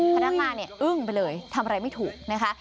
พนักงานเนี่ยอึ้งไปเลยทำอะไรไม่ถูกนะคะ